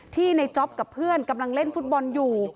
ในจ๊อปกับเพื่อนกำลังเล่นฟุตบอลอยู่